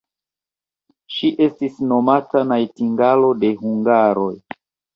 Ŝi estis nomata najtingalo de hungaroj.